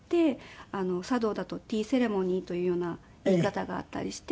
茶道だとティーセレモニーというような言い方があったりして。